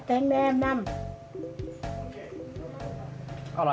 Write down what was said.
เอาแป้งแม่มน้ำ